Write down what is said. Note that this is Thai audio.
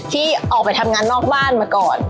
ที่ออกไปทำงานนอกบ้านมาก่อน